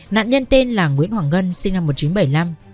nạn nhân tên là nguyễn hoàng ngân sinh năm một nghìn chín trăm bảy mươi năm